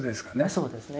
そうですね。